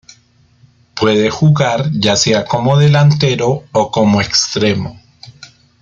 Puede jugar ya sea como delantero o como extremo.